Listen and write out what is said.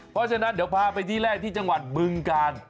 เพราะฉะนั้นเดี๋ยวพาไปที่แรกที่จังหวัดบึงกาล